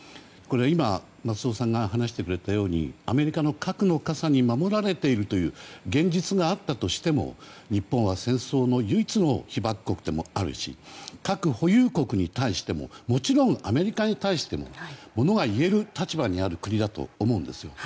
今、松尾さんが話してくれたようにアメリカの核の傘に守られているという現実があったとしても日本は、戦争の唯一の被爆国でもあるし核保有国に対してももちろんアメリカに対してもものが言える立場にある国だと思うんです。